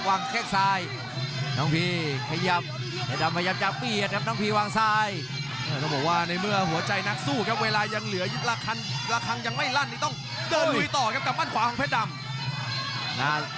ละครั้งยังไม่ลั่นต้องเดินลุยต่อกับมั่นขวาของเพชรดำ